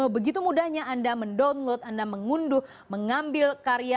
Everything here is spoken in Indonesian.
begitu mudahnya anda mendownload anda mengunduh mengambil karya